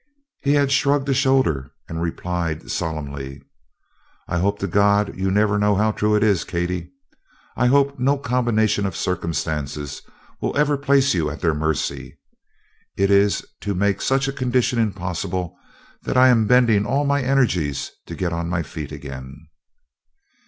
He had shrugged a shoulder and replied solemnly: "I hope to God you'll never know how true it is, Katie. I hope no combination of circumstances will ever place you at their mercy. It is to make any such condition impossible that I am bending all my energies to get on my feet again."